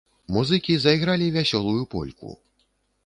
Музыкі зайгралі вясёлую польку.